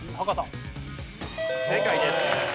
正解です。